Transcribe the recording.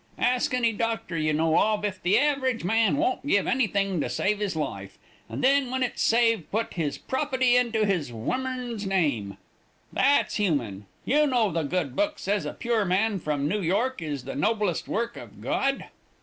Ask any doctor you know of if the average man won't give anything to save his life, and then when it's saved put his propity into his womern's name. That's human. You know the good book says a pure man from New York is the noblest work of God."